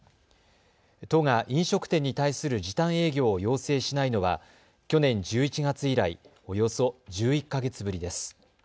都が飲食店に対する時短営業を要請しないのは去年１１月以来およそ１１か月ぶりです。